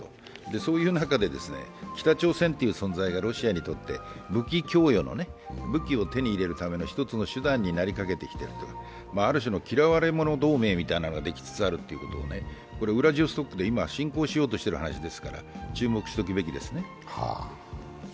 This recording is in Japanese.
そういう中で北朝鮮という存在がロシアにとって武器供与の、武器を手に入れるための一つの手段になりかけてきているとある種の嫌われ者同盟みたいなものができつつあるということをウラジオストクで今、進行しようとしている話ですから注目すべきことですね。